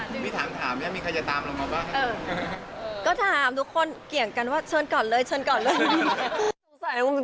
ใช่พี่แจ๊กเป็นคนเห็นคนแรกเลยในกลุ่มเฟอร์บี